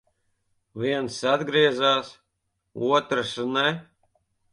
Viens atgriezās, otrs ne.